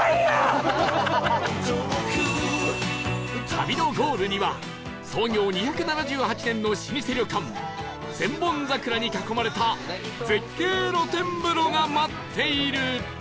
旅のゴールには創業２７８年の老舗旅館千本桜に囲まれた絶景露天風呂が待っている